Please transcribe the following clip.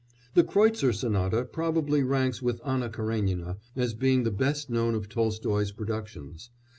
The Kreutzer Sonata probably ranks with Anna Karénina as being the best known of Tolstoy's productions.